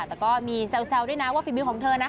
แต่ก็มีแซวด้วยนะว่าฝีมือของเธอนะ